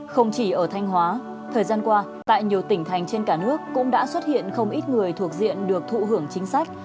không chỉ ở thanh hóa thời gian qua tại nhiều tỉnh thành trên cả nước cũng đã xuất hiện không ít người thuộc diện được thụ hưởng chính sách